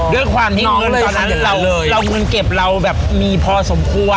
ด้วยความที่ตอนนั้นเราเงินเก็บเราแบบมีพอสมควร